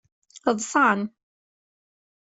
Ḍṣan.